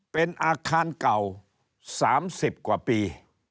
เป็นอาคารเก่า๓๐กว่าปี